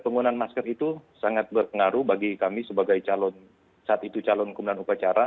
penggunaan masker itu sangat berpengaruh bagi kami sebagai calon saat itu calon kemudian upacara